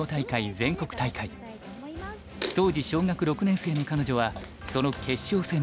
当時小学６年生の彼女はその決勝戦の舞台にいた。